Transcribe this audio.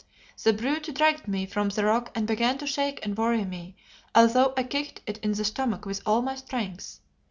The brute dragged me from the rock and began to shake and worry me, although I kicked it in the stomach with all my strength.